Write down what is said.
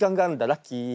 ラッキー！